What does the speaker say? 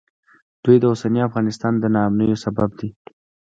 دوی د اوسني افغانستان د ناامنیو سبب دي